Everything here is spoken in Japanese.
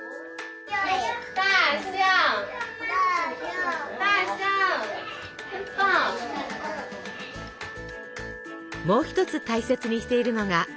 もう一つ大切にしているのが年中行事。